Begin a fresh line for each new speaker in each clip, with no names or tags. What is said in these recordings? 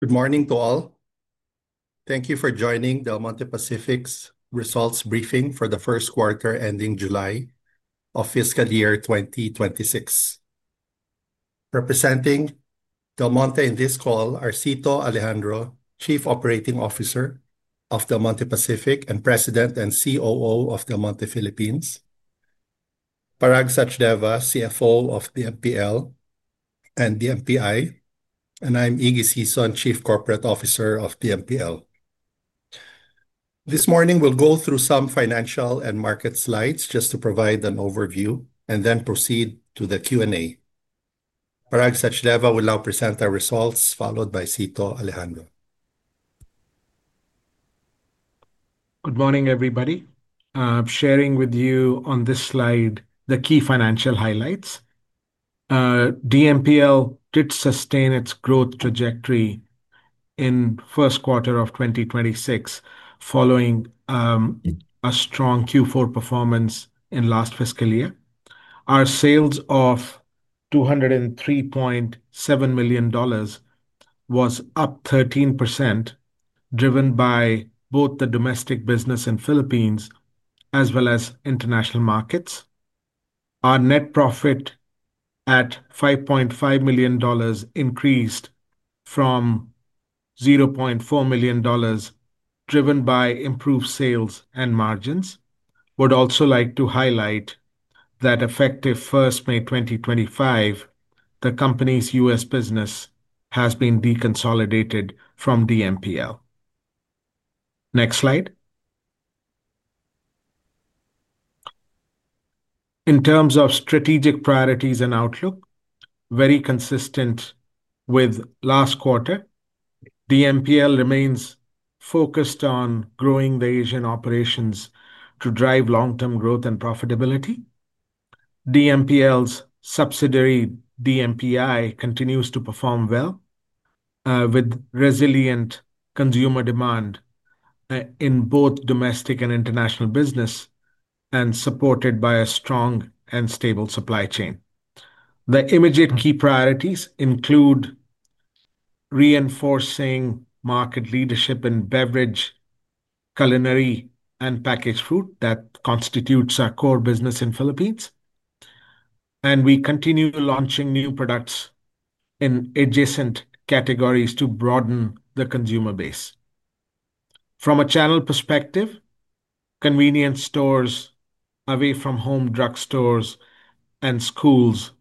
Good morning to all. Thank you for joining Del Monte Pacific's Results Briefing for the First Quarter Ending July of Fiscal Year 2026. Representing Del Monte in this call are Cito Alejandro, Chief Operating Officer of Del Monte Pacific and President and COO of Del Monte Philippines, Parag Sachdeva, CFO of DMPL and DMPI, and I'm Ignacio Sison, Chief Corporate Officer of DMPL. This morning, we'll go through some financial and market slides just to provide an overview and then proceed to the Q&A. Parag Sachdeva will now present our results followed by Cito Alejandro.
Good morning, everybody. I'm sharing with you on this slide the key financial highlights. DMPL did sustain its growth trajectory in the first quarter of 2026 following a strong Q4 performance in the last fiscal year. Our sales of $203.7 million was up 13%, driven by both the domestic business in the Philippines as well as international markets. Our net profit at $5.5 million increased from $0.4 million, driven by improved sales and margins. I would also like to highlight that effective 1st May 2025, the company's U.S. business has been deconsolidated from DMPL. Next slide. In terms of strategic priorities and outlook, very consistent with last quarter, DMPL remains focused on growing the Asian operations to drive long-term growth and profitability. DMPL's subsidiary DMPI continues to perform well with resilient consumer demand in both domestic and international business and supported by a strong and stable supply chain. The immediate key priorities include reinforcing market leadership in beverage, culinary, and packaged food that constitutes our core business in the Philippines. We continue launching new products in adjacent categories to broaden the consumer base. From a channel perspective, convenience stores, away from home, drugstores, and schools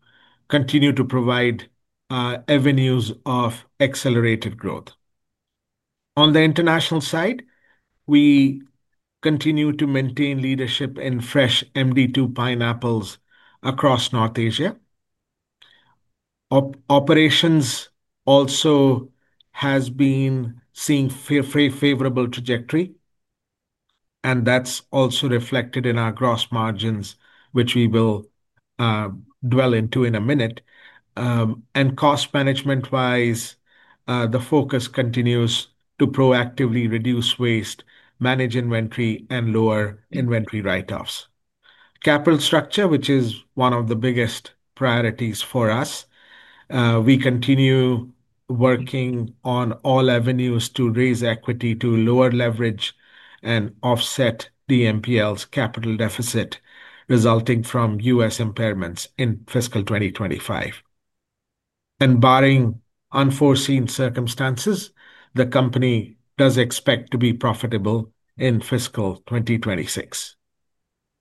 continue to provide avenues of accelerated growth. On the international side, we continue to maintain leadership in fresh MD2 pineapples across North Asia. Operations also has been seeing a favorable trajectory, and that's also reflected in our gross margins, which we will dwell into in a minute. Cost management-wise, the focus continues to proactively reduce waste, manage inventory, and lower inventory write-offs. Capital structure, which is one of the biggest priorities for us, we continue working on all avenues to raise equity to lower leverage and offset DMPL's capital deficit resulting from U.S. impairments in fiscal 2025. Barring unforeseen circumstances, the company does expect to be profitable in fiscal 2026.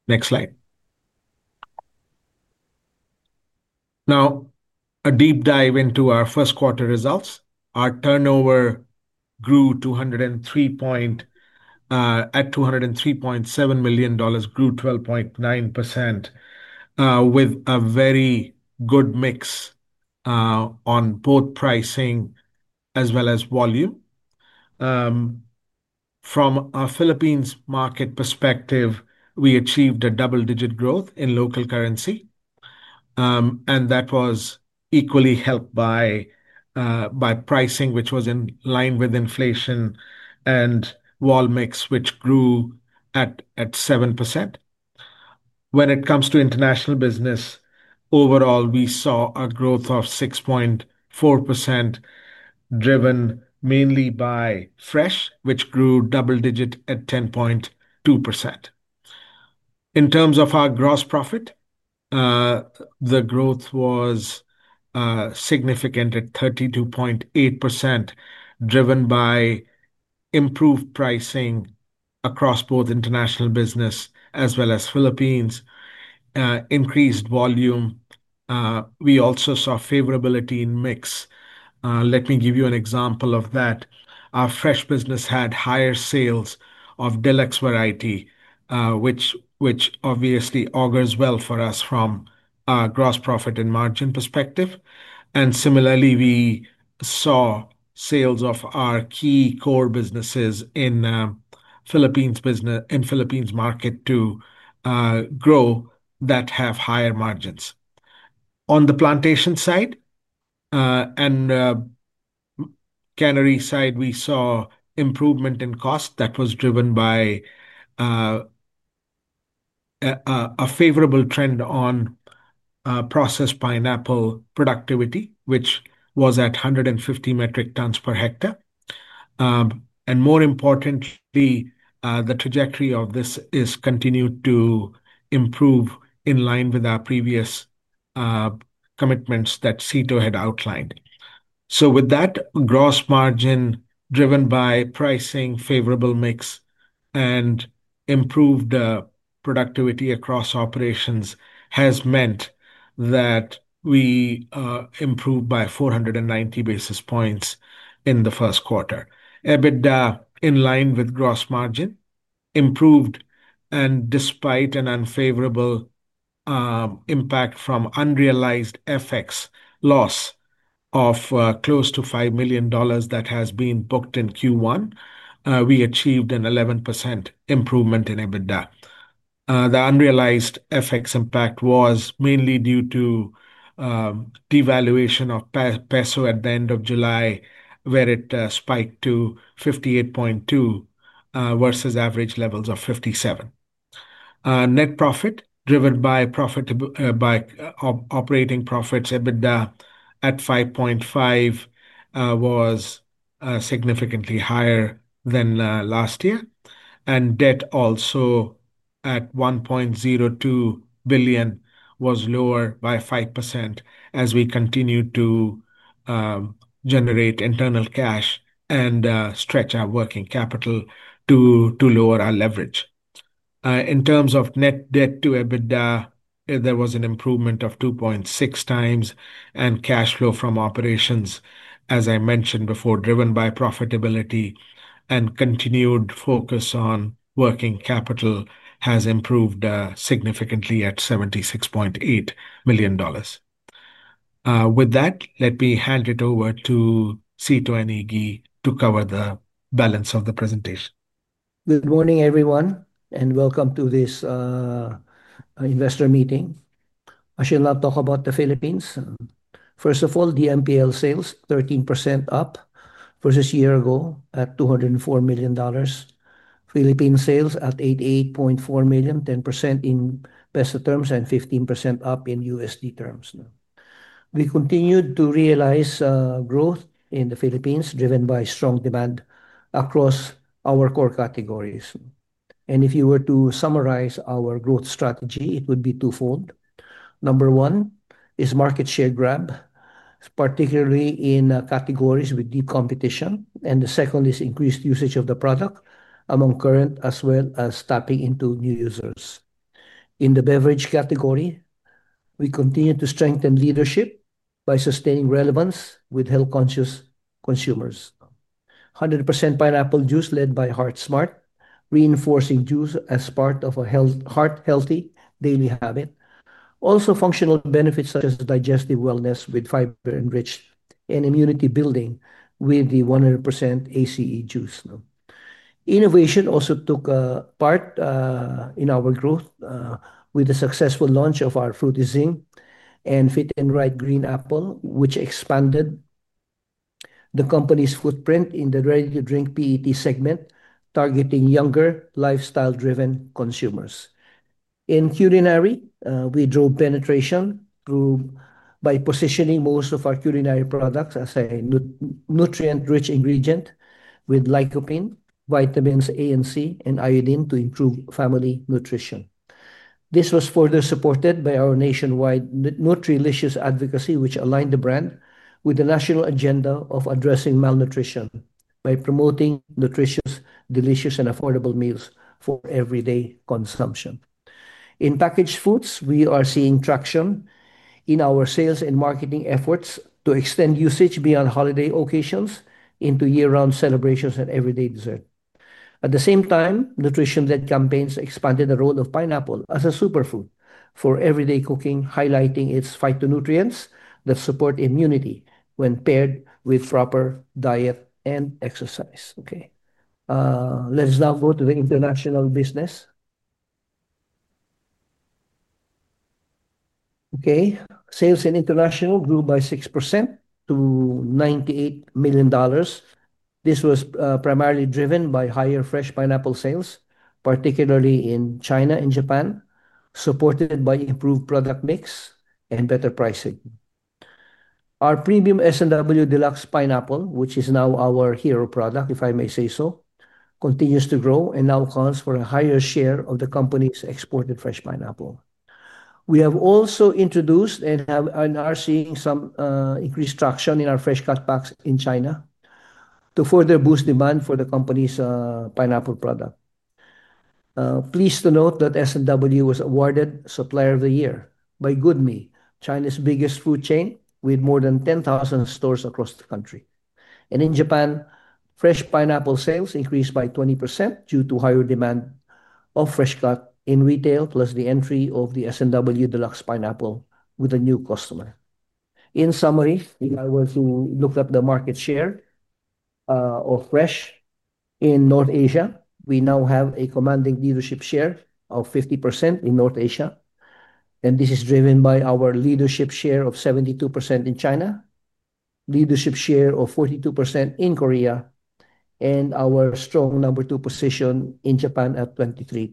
Next slide. Now, a deep dive into our first quarter results. Our turnover grew at $203.7 million, grew 12.9%, with a very good mix on both pricing as well as volume. From a Philippines market perspective, we achieved a double-digit growth in local currency, and that was equally helped by pricing, which was in line with inflation, and wall mix, which grew at 7%. When it comes to international business, overall, we saw a growth of 6.4%, driven mainly by fresh, which grew double-digit at 10.2%. In terms of our gross profit, the growth was significant at 32.8%, driven by improved pricing across both international business as well as Philippines, increased volume. We also saw favorability in mix. Let me give you an example of that. Our fresh business had higher sales of S&W Deluxe variety, which obviously augurs well for us from a gross profit and margin perspective. Similarly, we saw sales of our key core businesses in the Philippines market grow that have higher margins. On the plantation side and cannery side, we saw improvement in cost that was driven by a favorable trend on processed pineapple productivity, which was at 150 metric tons per hectare. More importantly, the trajectory of this has continued to improve in line with our previous commitments that Sito had outlined. With that, gross margin driven by pricing, favorable mix, and improved productivity across operations has meant that we improved by 490 basis points in the first quarter. EBITDA in line with gross margin improved, and despite an unfavorable impact from unrealized FX loss of close to $5 million that has been booked in Q1, we achieved an 11% improvement in EBITDA. The unrealized FX impact was mainly due to devaluation of peso at the end of July, where it spiked to 58.2 versus average levels of 57. Net profit driven by operating profits, EBITDA at 5.5 was significantly higher than last year, and debt also at $1.02 billion was lower by 5% as we continued to generate internal cash and stretch our working capital to lower our leverage. In terms of net debt-to-EBITDA, there was an improvement of 2.6x, and cash flow from operations, as I mentioned before, driven by profitability and continued focus on working capital has improved significantly at $76.8 million. With that, let me hand it over to Sito and Iggy to cover the balance of the presentation.
Good morning, everyone, and welcome to this investor meeting. I should now talk about the Philippines. First of all, DMPL sales 13% up versus a year ago at $204 million. Philippines sales at $88.4 million, 10% in peso terms and 15% up in USD terms. We continued to realize growth in the Philippines, driven by strong demand across our core categories. If you were to summarize our growth strategy, it would be twofold. Number one is market share grab, particularly in categories with deep competition. The second is increased usage of the product among current as well as tapping into new users. In the beverage category, we continue to strengthen leadership by sustaining relevance with health-conscious consumers. 100% Pineapple Juice led by Heart Smart, reinforcing juice as part of a heart-healthy daily habit. Also, functional benefits such as digestive wellness with fiber enriched and immunity building with the 100% ACE juice. Innovation also took part in our growth with the successful launch of our Fruity Zing and Fit and Right Green Apple, which expanded the company's footprint in the ready-to-drink PET segment, targeting younger lifestyle-driven consumers. In culinary, we drove penetration by positioning most of our culinary products as a nutrient-rich ingredient with lycopene, vitamins A and C, and iodine to improve family nutrition. This was further supported by our nationwide Nutrilicious advocacy, which aligned the brand with the national agenda of addressing malnutrition by promoting nutritious, delicious, and affordable meals for everyday consumption. In packaged foods, we are seeing traction in our sales and marketing efforts to extend usage beyond holiday occasions into year-round celebrations and everyday dessert. At the same time, nutrition-led campaigns expanded the role of pineapple as a superfood for everyday cooking, highlighting its phytonutrients that support immunity when paired with proper diet and exercise. Let's now go to the international business. Sales in international grew by 6% to $98 million. This was primarily driven by higher fresh pineapple sales, particularly in China and Japan, supported by improved product mix and better pricing. Our premium S&W Deluxe Pineapple, which is now our hero product, if I may say so, continues to grow and now accounts for a higher share of the company's exported fresh pineapple. We have also introduced and are seeing some increased traction in our fresh cutbacks in China to further boost demand for the company's pineapple product. I am pleased to note that S&W Deluxe was awarded Supplier of the Year by Goodme, China's biggest food chain with more than 10,000 stores across the country. In Japan, fresh pineapple sales increased by 20% due to higher demand of fresh cut in retail, plus the entry of the S&W Deluce Pneapple with a new customer. In summary, if I were to look at the market share of fresh in North Asia, we now have a commanding leadership share of 50% in North Asia. This is driven by our leadership share of 72% in China, leadership share of 42% in Korea, and our strong number two position in Japan at 23%.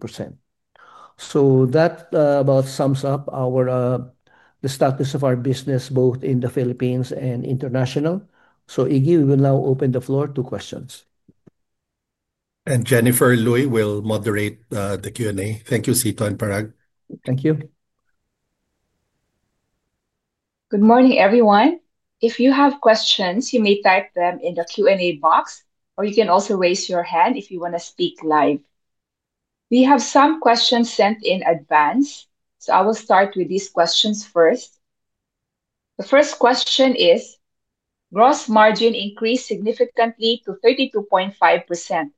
That about sums up the status of our business both in the Philippines and international. Iggy will now open the floor to questions.
Jennifer Luy will moderate the Q&A. Thank you, Sito and Parag.
Thank you.
Good morning, everyone. If you have questions, you may type them in the Q&A box, or you can also raise your hand if you want to speak live. We have some questions sent in advance, so I will start with these questions first. The first question is, gross margin increased significantly to 32.5%.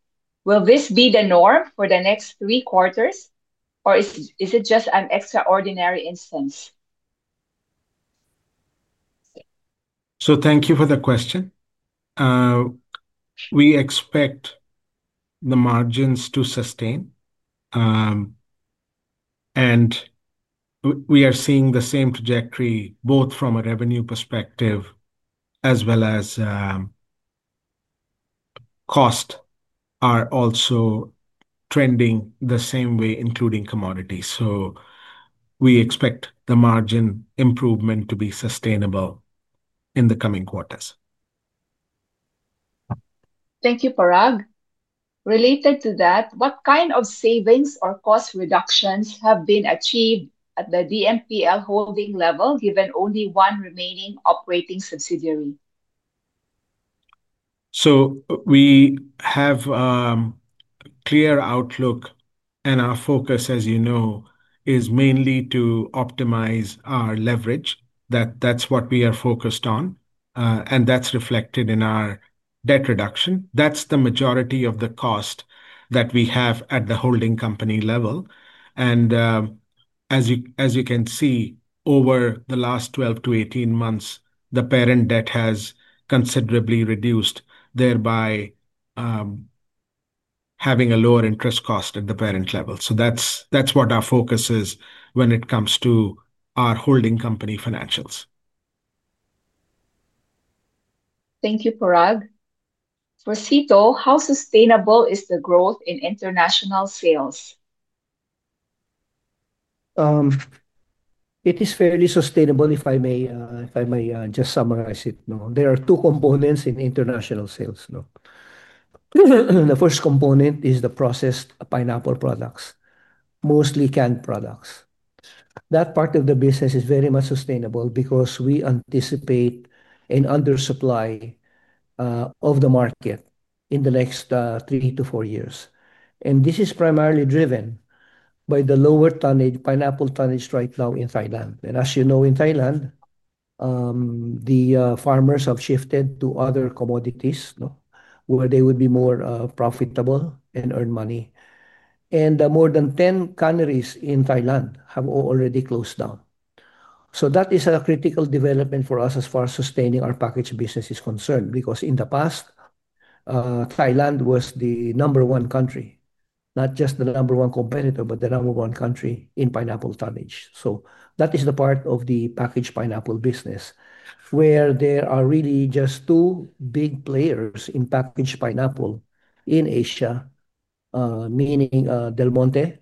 Will this be the norm for the next three quarters, or is it just an extraordinary instance?
Thank you for the question. We expect the margins to sustain, and we are seeing the same trajectory both from a revenue perspective as well as cost are also trending the same way, including commodities. We expect the margin improvement to be sustainable in the coming quarters.
Thank you, Parag. Related to that, what kind of savings or cost reductions have been achieved at the DMPL holding level given only one remaining operating subsidiary?
We have a clear outlook, and our focus, as you know, is mainly to optimize our leverage. That's what we are focused on, and that's reflected in our debt reduction. That's the majority of the cost that we have at the holding company level. As you can see, over the last 12-18 months, the parent debt has considerably reduced, thereby having a lower interest cost at the parent level. That's what our focus is when it comes to our holding company financials.
Thank you, Parag. For Sito, how sustainable is the growth in international sales?
It is fairly sustainable, if I may just summarize it. There are two components in international sales. The first component is the processed pineapple products, mostly canned products. That part of the business is very much sustainable because we anticipate an undersupply of the market in the next three to four years. This is primarily driven by the lower pineapple tonnage right now in Thailand. As you know, in Thailand, the farmers have shifted to other commodities where they would be more profitable and earn money. More than 10 canneries in Thailand have already closed down. That is a critical development for us as far as sustaining our packaged business is concerned because in the past, Thailand was the number one country, not just the number one competitor, but the number one country in pineapple to seennage. That is the part of the packaged pineapple business where there are really just two big players in packaged pineapple in Asia, meaning Del Monte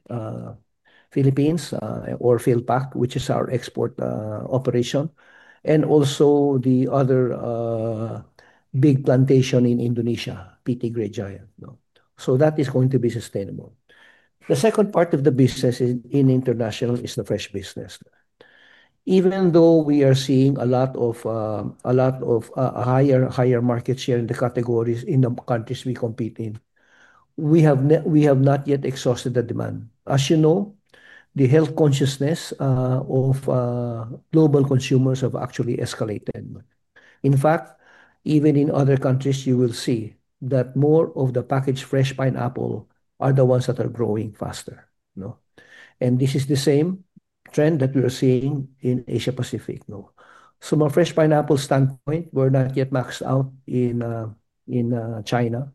Philippines or Philpac, which is our export operation, and also the other big plantation in Indonesia, PT Great Giant. That is going to be sustainable. The second part of the business in international is the fresh business. Even though we are seeing a lot of a higher market share in the categories in the countries we compete in, we have not yet exhausted the demand. As you know, the health consciousness of global consumers has actually escalated. In fact, even in other countries, you will see that more of the packaged fresh pineapple are the ones that are growing faster. This is the same trend that we are seeing in Asia Pacific. From a fresh pineapple standpoint, we're not yet maxed out in China.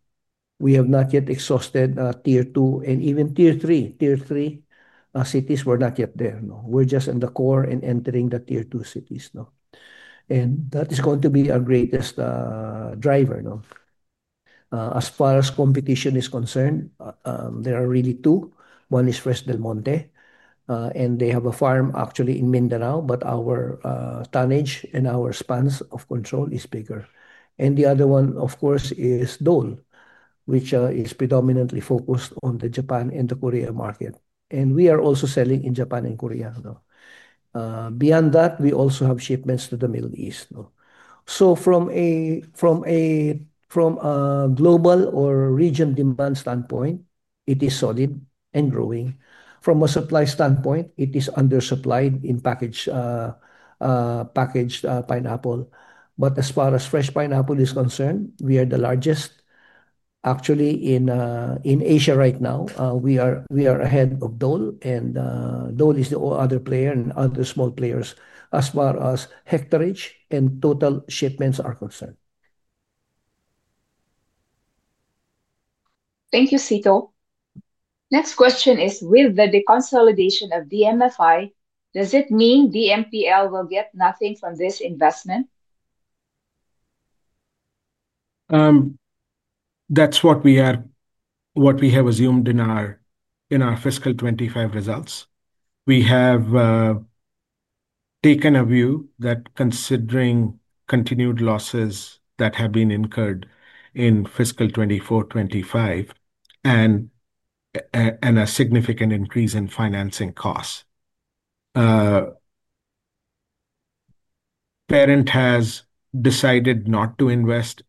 We have not yet exhausted Tier 2 and even Tier 3. Tier 3 cities, we're not yet there. We're just in the core and entering the Tier 2 cities. That is going to be our greatest driver. As far as competition is concerned, there are really two. One is Fresh Del Monte, and they have a farm actually in Mindanao, but our tonnage and our spans of control is bigger. The other one, of course, is Dole, which is predominantly focused on the Japan and the Korea market. We are also selling in Japan and Korea. Beyond that, we also have shipments to the Middle East. From a global or region demand standpoint, it is solid and growing. From a supply standpoint, it is undersupplied in packaged pineapple. As far as fresh pineapple is concerned, we are the largest, actually, in Asia right now. We are ahead of Dole, and Dole is the other player, other small players, as far as hectarage and total shipments are concerned.
Thank you, Sito. Next question is, with the deconsolidation of DMFI, does it mean DMPL will get nothing from this investment?
That's what we have assumed in our fiscal 2025 results. We have taken a view that considering continued losses that have been incurred in fiscal 2024-2025 and a significant increase in financing costs, the parent has decided not to invest.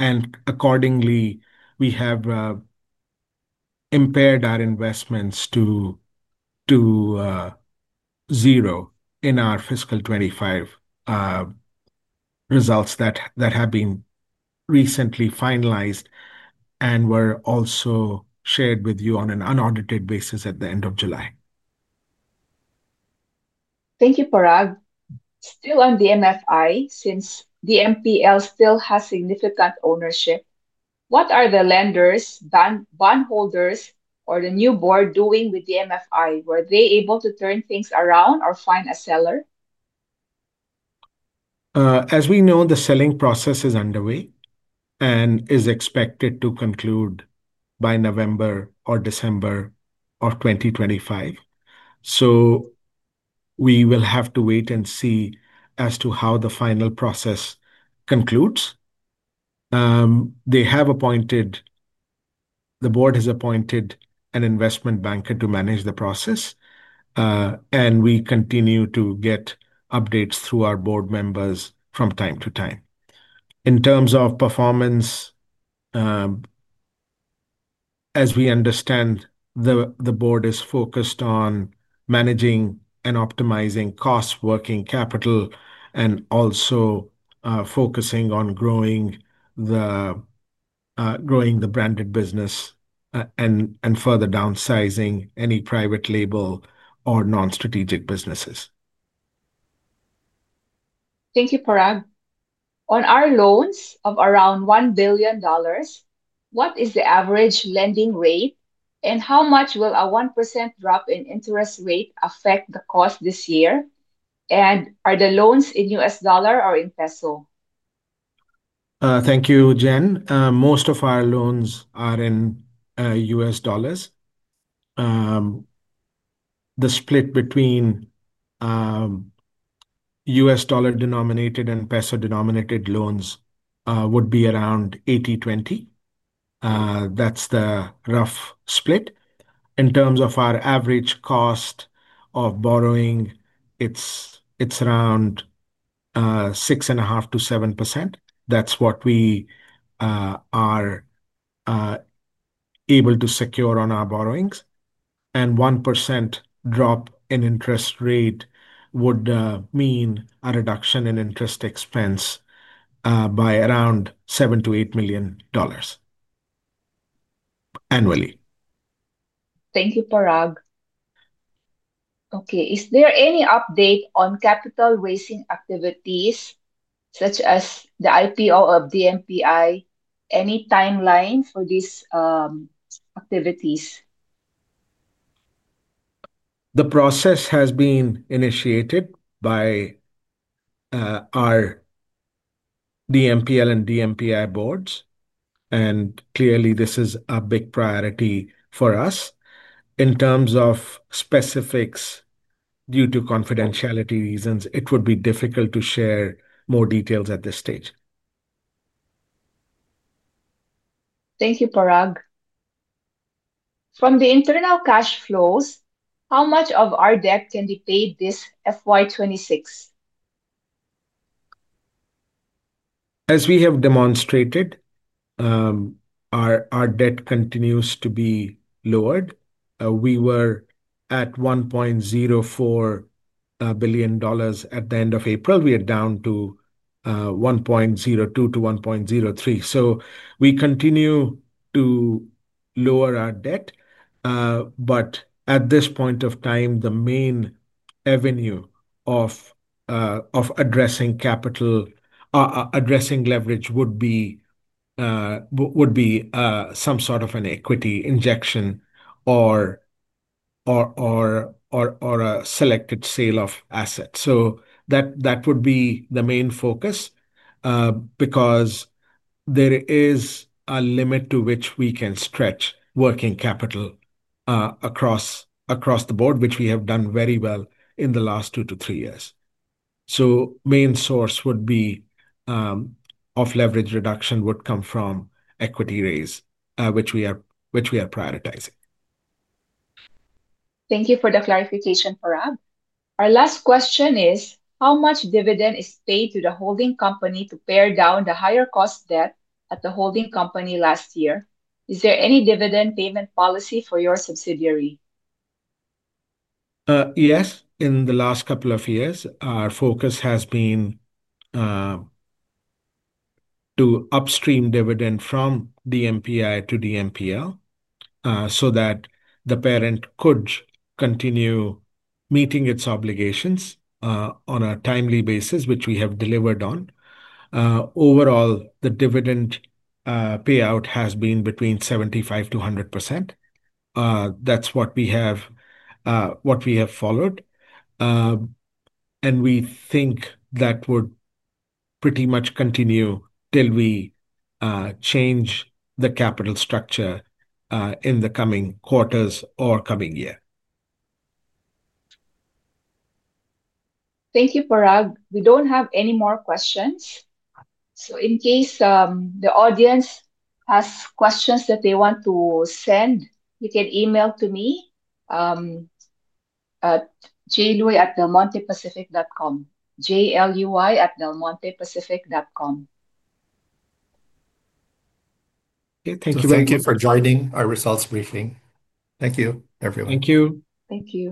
Accordingly, we have impaired our investments to zero in our fiscal 2025 results that have been recently finalized and were also shared with you on an unaudited basis at the end of July.
Thank you, Parag. Still on DMFI, since DMPL still has significant ownership, what are the lenders, bondholders, or the new board doing with DMFI? Were they able to turn things around or find a seller?
As we know, the selling process is underway and is expected to conclude by November or December of 2025. We will have to wait and see as to how the final process concludes. The board has appointed an investment banker to manage the process, and we continue to get updates through our board members from time to time. In terms of performance, as we understand, the board is focused on managing and optimizing costs, working capital, and also focusing on growing the branded business and further downsizing any private label or non-strategic businesses.
Thank you, Parag. On our loans of around $1 billion, what is the average lending rate, and how much will a 1% drop in interest rate affect the cost this year? Are the loans in US dollar or in peso?
Thank you, Jen. Most of our loans are in U.S. dollars. The split between U.S. dollar denominated and peso denominated loans would be around 80/20. That's the rough split. In terms of our average cost of borrowing, it's around 6.5%-7%. That's what we are able to secure on our borrowings. A 1% drop in interest rate would mean a reduction in interest expense by around $7 million-$8 million annually.
Thank you, Parag. Okay. Is there any update on capital raising activities such as the IPO of DMPI? Any timelines for these activities?
The process has been initiated by our DMPL and DMPI boards, and clearly, this is a big priority for us. In terms of specifics, due to confidentiality reasons, it would be difficult to share more details at this stage.
Thank you, Parag. From the internal cash flows, how much of our debt can be paid this FY 2026?
As we have demonstrated, our debt continues to be lowered. We were at $1.04 billion at the end of April. We are down to $1.02 billion-$1.03 billion. We continue to lower our debt. At this point of time, the main avenue of addressing capital, addressing leverage would be some sort of an equity injection or a selected sale of assets. That would be the main focus because there is a limit to which we can stretch working capital across the board, which we have done very well in the last two to three years. The main source of leverage reduction would come from equity raise, which we are prioritizing.
Thank you for the clarification, Parag. Our last question is, how much dividend is paid to the holding company to pare down the higher cost debt at the holding company last year? Is there any dividend payment policy for your subsidiary?
Yes. In the last couple of years, our focus has been to upstream dividend from DMPI to DMPL so that the parent could continue meeting its obligations on a timely basis, which we have delivered on. Overall, the dividend payout has been between 75%-100%. That’s what we have followed. We think that would pretty much continue till we change the capital structure in the coming quarters or coming year.
Thank you, Parag. We don't have any more questions. In case the audience has questions that they want to send, you can email to me, jluy@delmontepacific.com. J-L-U-Y at delmontepacific dot com.
Thank you very much for joining our results briefing. Thank you, everyone.
Thank you.
Thank you.